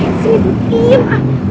bang sesuai bang